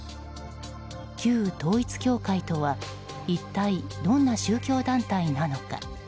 旧統一教会とは一体どんな宗教団体なのか。